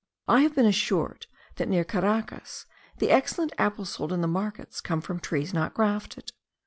I have been assured, that near Caracas the excellent apples sold in the markets come from trees not grafted.